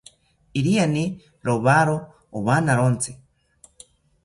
Iriani rowawo owanawontzi